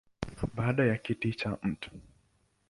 Baada ya kiti cha Mt.